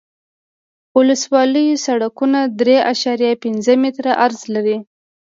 د ولسوالیو سرکونه درې اعشاریه پنځه متره عرض لري